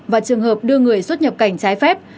và trường hợp đưa người xuất nhập cảnh trái phép